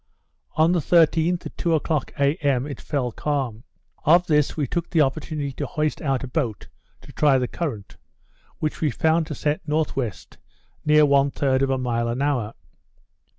On the 13th, at two o'clock a. m. it fell calm. Of this we took the opportunity to hoist out a boat, to try the current, which we found to set N.W. near one third of a mile an hour.